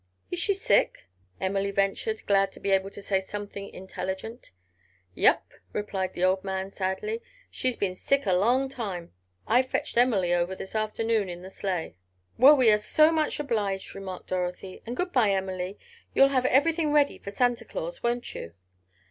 "Is she sick?" Emily ventured, glad to be able to say something intelligent. "Yep," replied the old man, sadly. "She's been sick a long time. I fetched Emily over this afternoon in the sleigh." "Well, we are so much obliged," remarked Dorothy. "And good bye, Emily. You'll have everything ready for Santa Claus; won't you?"